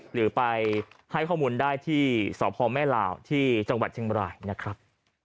หรือไปให้ข้อมูลได้ที่สพแม่ลาวที่จังหวัดเชียงบรายนะครับ